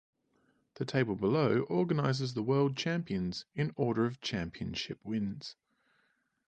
The table below organises the world champions in order of championship wins.